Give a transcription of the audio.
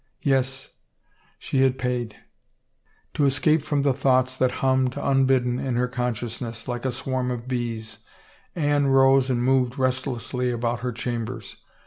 Yes, she had paid. ... To escape from the thoughts that hummed unbidden in her consciousness, like a swarm of bees, Anne rose and moved restlessly about her chambers.